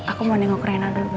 aku mau nengok rena dulu